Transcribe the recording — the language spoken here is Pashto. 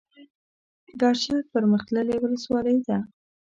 ګرشک پرمختللې ولسوالۍ ده.